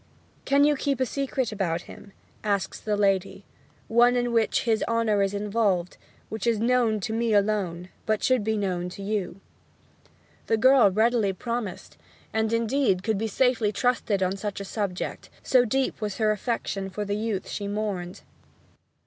'Can you keep a secret about him?' asks the lady; 'one in which his honour is involved which is known to me alone, but should be known to you?' The girl readily promised, and, indeed, could be safely trusted on such a subject, so deep was her affection for the youth she mourned.